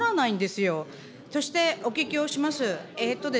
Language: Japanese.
そして、お聞きをします。